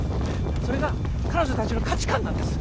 それが彼女たちの価値観なんです。